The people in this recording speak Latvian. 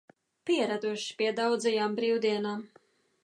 Pieraduši pie daudzajām brīvdienām.